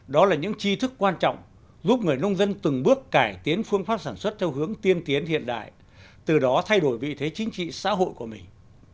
đó là những chi thức quan trọng giúp người nông dân từng bước cải tiến phương pháp sản xuất theo hướng tiên tiến hiện đại từ đó thay đổi vị thế chính trị xã hội của mình